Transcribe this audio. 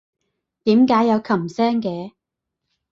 點解有琴聲嘅？